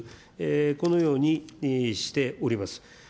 このようにしております。